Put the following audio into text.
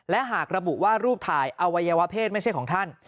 และหากระบุว่ารูปถ่ายอวัยวะเพศไม่ใช่ของท่าน